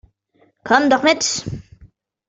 Komm doch mit!